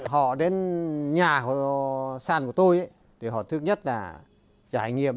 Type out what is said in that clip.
họ đến nhà sàn của tôi thì họ thứ nhất là trải nghiệm